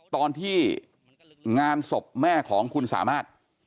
ตอนที่งานศพแม่ของคุณสามารถ